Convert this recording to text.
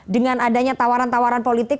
dengan adanya tawaran tawaran politik